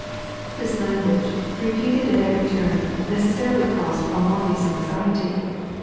This language, repeated at every turn, necessarily caused Paul Morphy some anxiety.